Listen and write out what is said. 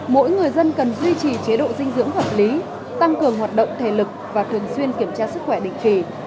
mỗi người dân cần duy trì chế độ dinh dưỡng hợp lý tăng cường hoạt động thể lực và thường xuyên kiểm tra sức khỏe định kỳ